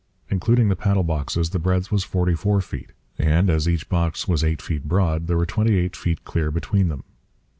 Including the paddle boxes the breadth was 44 feet; and, as each box was 8 feet broad, there were 28 feet clear between them.